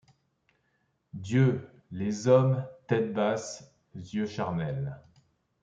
Dieu ! les hommes, têtes basses, Yeux charnels